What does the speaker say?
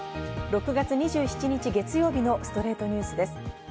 ６月２７日、月曜日の『ストレイトニュース』です。